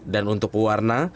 dan untuk pewarna